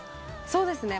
そうですね。